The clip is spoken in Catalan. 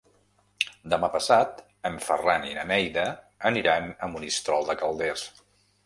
Demà passat en Ferran i na Neida aniran a Monistrol de Calders.